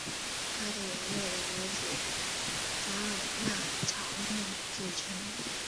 他的王位由儿子法尔纳乔姆继承。